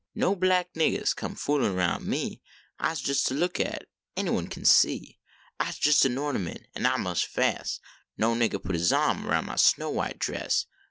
No black niggahs come foolin roun me, Ise jes to look at, anyone can see ; Ise jes a orniment, an I mus fess No niggah put is ahm roun mah snow white dress.